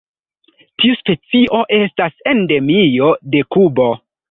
Tiu specio estas endemio de Kubo.